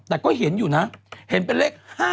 แต่ก็เห็นอยู่นะเห็นเป็นเลข๕๗